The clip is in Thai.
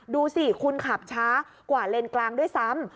ดูสิคุณขับช้ากว่าเลนกลางด้วยซ้ำ